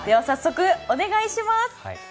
早速お願いします。